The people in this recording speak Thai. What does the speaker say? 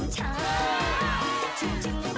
โจ๊กโจ๊กโจ๊กโจ๊กโจ๊กโจ๊ก